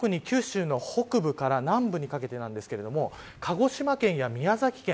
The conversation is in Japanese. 特に九州北部から南部にかけてですが鹿児島県や宮崎県